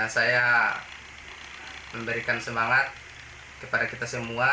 saya memberikan semangat kepada kita semua